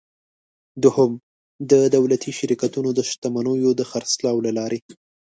دوهم: د دولتي شرکتونو د شتمنیو د خرڅلاو له لارې.